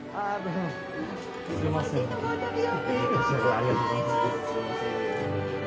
ありがとうございます。